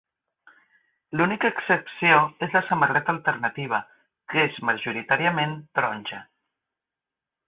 L'única excepció és la samarreta alternativa, que és majoritàriament taronja.